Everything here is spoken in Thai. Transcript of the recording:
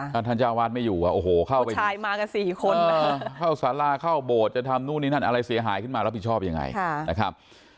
ถ้าท่านเจ้าวาดไม่อยู่โอ้โหเข้าไปชายมากันสี่คนนะฮะเข้าสาราเข้าโบสถ์จะทำนู่นนี่นั่นอะไรเสียหายขึ้นมารับผิดชอบยังไงนะครับ